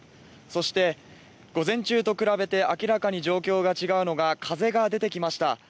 そして、午前中と比べて明らかに状況が違うのが風が出てきました。